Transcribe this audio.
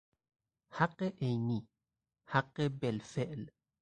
حق عینی، حق بالفعل